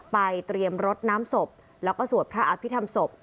เตรียมรดน้ำศพแล้วก็สวดพระอภิษฐรรมศพ